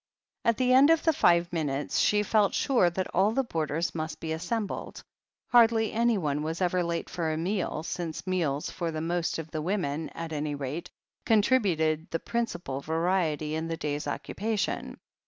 At the end of the five minutes she felt sure that all the boarders must be assembled. Hardly anyone was ever late for a meal, since meals for most of the women, at any rate, contributed the principal variety in the day's occupation.